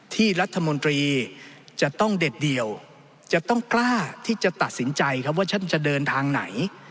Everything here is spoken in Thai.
ที่รัฐมนตรีจะต้องเด็ดเดี่ยวจะต้องกล้าที่จะตัดสินใจครับว่าฉันจะเดินทางไหน